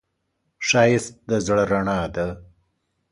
ښایست د زړه رڼا ده